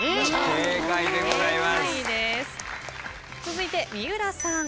正解でございます。